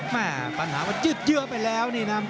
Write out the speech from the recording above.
แม่ปัญหาว่ายืดเยื้อไปแล้วนี่น้ำ